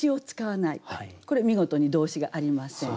これ見事に動詞がありません。